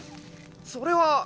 それは。